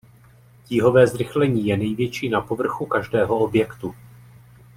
Tíhové zrychlení je největší na povrchu každého objektu.